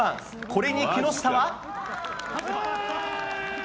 これに木下は。